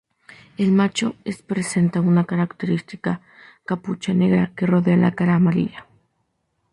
El macho es presenta una característica capucha negra que rodea la cara amarilla.